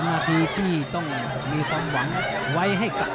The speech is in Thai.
หรือว่าผู้สุดท้ายมีสิงคลอยวิทยาหมูสะพานใหม่